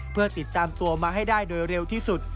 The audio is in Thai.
เพื่อติดตามตัวมาให้ได้โดยเร็วที่สุด